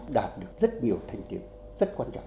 đạt được rất nhiều thành tiêu rất quan trọng